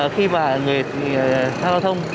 khi mà người giao thông